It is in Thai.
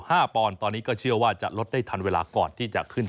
ปอนด์ตอนนี้ก็เชื่อว่าจะลดได้ทันเวลาก่อนที่จะขึ้น